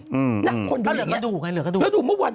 นั่งคนดูอย่างงี้เลยถึงเหลือฝนละมัน